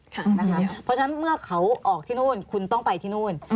เพราะฉะนั้นเมื่อเขาออกที่นู่นคุณต้องไปที่นู่น